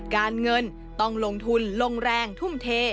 การเงินต้องลงทุนลงแรงทุ่มเท